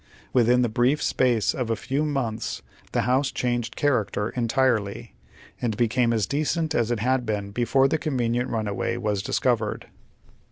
Within the brief space of a few months the house changed character entirely, and became as decent as it had been before the convenient runway was discovered.